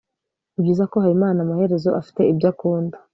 nibyiza ko habimana amaherezo afite ibyo akunda